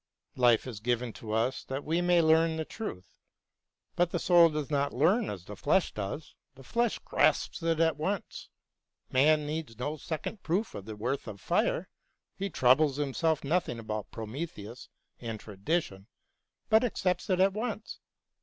Life is given us that we may learn the truth ; but the soul does not learn as the flesh does : the flesh grasps it at once. Man needs no second proof of the worth of fire ; he troubles himself nothing about Prometheus and tradition, but accepts it at once.